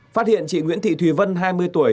phát hiện chị nguyễn thị thùy vân hai mươi tuổi